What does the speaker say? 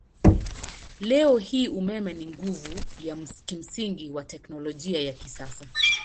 Leo hii umeme ni nguvu ya kimsingi wa teknolojia ya kisasa.